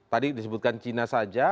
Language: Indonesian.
tadi disebutkan cina saja